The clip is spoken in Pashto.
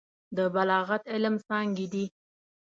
د بلاغت علم څانګې دي.